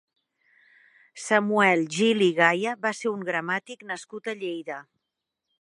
Samuel Gili Gaya va ser un gramàtic nascut a Lleida.